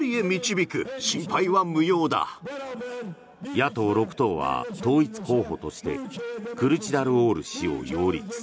野党６党は統一候補としてクルチダルオール氏を擁立。